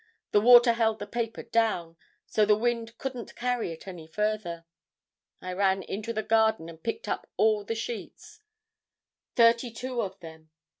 The water held the paper down, so the wind couldn't carry it any further. I ran into the Garden and picked up all the sheets, thirty two of them.